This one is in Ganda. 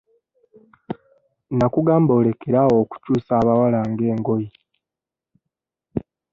Nakugamba olekere awo okukyusa abawala nga engoye.